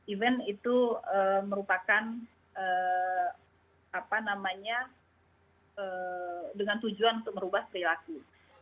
even itu merupakan dengan tujuan untuk merubah perilaku